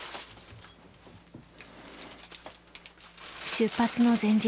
出発の前日。